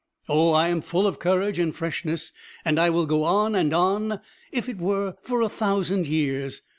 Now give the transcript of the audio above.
Oh, I am full of courage and freshness, and I will go on and on if it were for a thousand years!